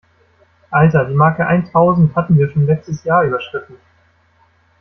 Alter, die Marke eintausend hatten wir schon letztes Jahr überschritten!